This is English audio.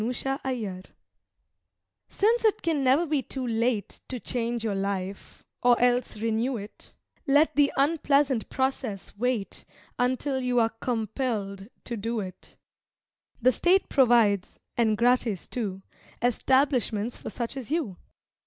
_" Since it can never be too late To change your life, or else renew it, Let the unpleasant process wait Until you are compelled to do it. The State provides (and gratis too) Establishments for such as you.